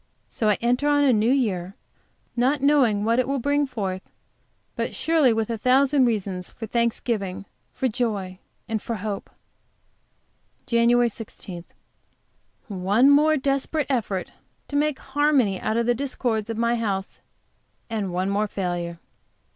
So I enter on a new year, not knowing what it will bring forth, but surely with a thousand reasons for thanksgiving, for joy, and for hope. JAN. 16. One more desperate effort to make harmony out of the discords of my house, and one more failure.